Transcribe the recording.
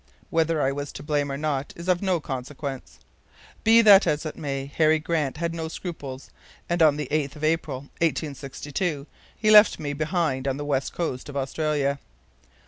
Whether I was to blame or not is of no consequence. Be that as it may, Harry Grant had no scruples, and on the 8th of April, 1862, he left me behind on the west coast of Australia."